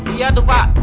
iya tuh pak